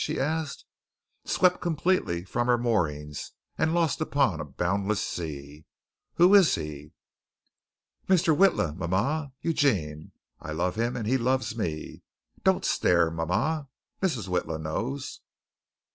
she asked, swept completely from her moorings, and lost upon a boundless sea. "Who is he?" "Mr. Witla, mama Eugene. I love him and he loves me. Don't stare, mama. Mrs. Witla knows.